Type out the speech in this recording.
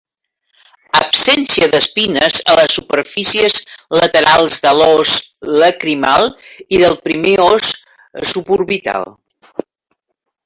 Absència d'espines a les superfícies laterals de l'os lacrimal i del primer os suborbital.